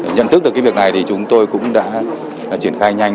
nhận thức được việc này chúng tôi cũng đã triển khai nhanh